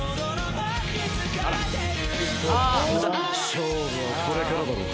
勝負はこれからだろ。